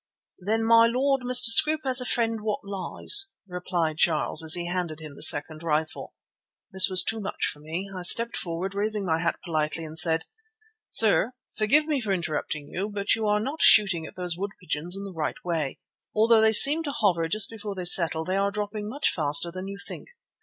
"Then, my lord, Mr. Scroope has a friend what lies," replied Charles as he handed him the second rifle. This was too much for me. I stepped forward, raising my hat politely, and said: "Sir, forgive me for interrupting you, but you are not shooting at those wood pigeons in the right way. Although they seem to hover just before they settle, they are dropping much faster than you think.